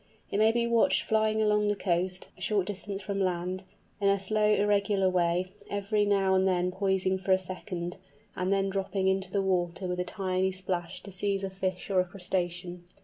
It may be watched flying along the coast, a short distance from land, in a slow irregular way, every now and then poising for a second, and then dropping into the water with a tiny splash to seize a fish or a crustacean.